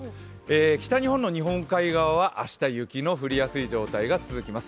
北日本の日本海側は明日は雪が降りやすい状態が続きます。